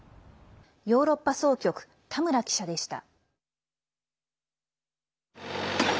ヨーロッパ総局田村記者でした。